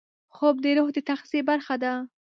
خوب د روح د تغذیې برخه ده